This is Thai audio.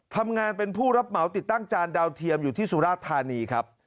ทำงานเป็นผู้รับเหมาติดตั้งจานดาวเทียมอยู่ที่สุราธานีครับ